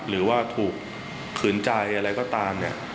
หรือว่าถูกขืนใจอะไรก็ตามเนี่ย